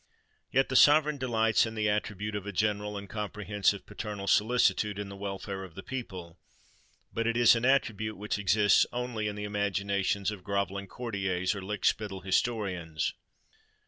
Yet the Sovereign delights in the attribute of a general and comprehensive paternal solicitude in the welfare of the people: but it is an attribute which exists only in the imaginations of grovelling courtiers or lick spittle historians.